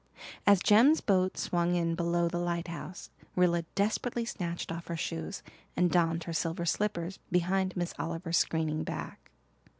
As Jem's boat swung in below the lighthouse Rilla desperately snatched off her shoes and donned her silver slippers behind Miss Oliver's screening back.